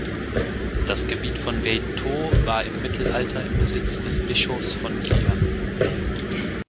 Das Gebiet von Veytaux war im Mittelalter im Besitz des Bischofs von Sion.